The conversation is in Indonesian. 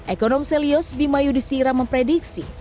ekonom selyos bimayudistira memprediksi